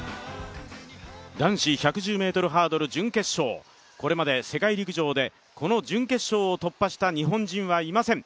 男子１１０ｍハードル準決勝、これまで世界陸上でこの準決勝を突破した日本人はいません。